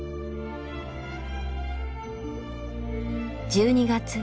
１２月。